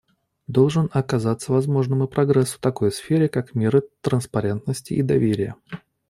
Должен оказаться возможным и прогресс в такой сфере, как меры транспарентности и доверия.